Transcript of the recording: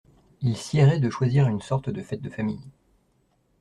Il siérait de choisir une sorte de fête de famille.